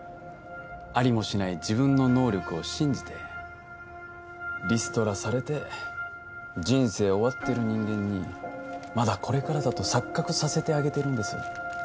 ありもしない自分の能力を信じてリストラされて人生終わってる人間にまだこれからだと錯覚させてあげてるんです